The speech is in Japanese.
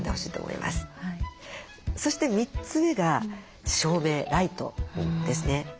そして３つ目が照明ライトですね。